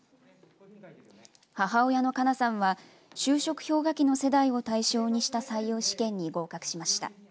母親の花奈さんは就職氷河期の世代を対象にした採用試験に合格しました。